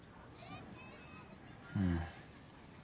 うん。